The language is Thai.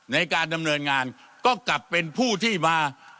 ในการดำเนินงานก็กลับเป็นผู้ที่มา